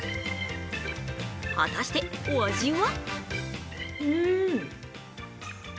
果たしてお味は？